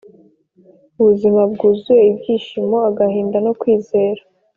ubuzima bwuzuye ibyishimo, agahinda no kwizera